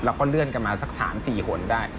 แล้วก็เลื่อนกันมาสัก๓๔ขนได้